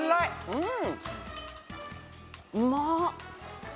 うん。